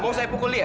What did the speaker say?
mau saya pukul dia